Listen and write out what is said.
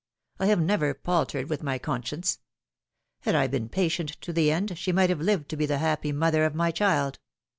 I have never paltered with my con science. Had I been patient to the end, she might have lived to be the happy mother of my child.